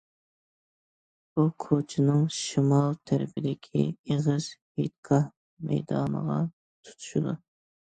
بۇ كوچىنىڭ شىمال تەرىپىدىكى ئېغىزى ھېيتگاھ مەيدانىغا تۇتىشىدۇ.